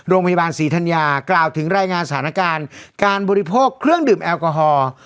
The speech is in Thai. โรงพยาบาลศรีธัญญากล่าวถึงรายงานสถานการณ์การบริโภคเครื่องดื่มแอลกอฮอล์